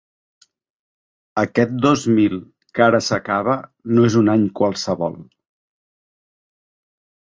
Aquest dos mil que ara s'acaba no és un any qualsevol.